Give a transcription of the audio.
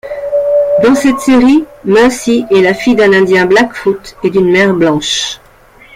Dans cette série, Mercy est la fille d'un Indien Blackfoot et d'une mère blanche.